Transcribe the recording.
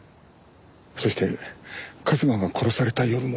そして春日が殺された夜も。